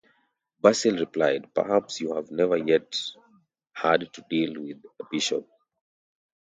Basil replied, Perhaps you have never yet had to deal with a bishop.